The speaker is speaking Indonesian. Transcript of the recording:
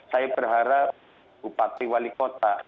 saya berharap bupati wali kota